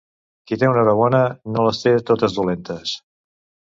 Qui té una hora bona no les té totes dolentes.